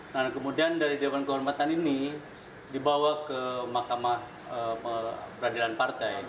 nah kemudian dari dewan kehormatan ini dibawa ke mahkamah peradilan partai